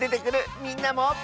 みんなも。